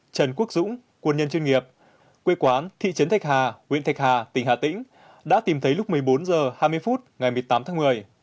trần quốc dũng quân nhân chuyên nghiệp quê quán thị trấn thạch hà huyện thạch hà tỉnh hà tĩnh đã tìm thấy lúc một mươi bốn h hai mươi phút ngày một mươi tám tháng một mươi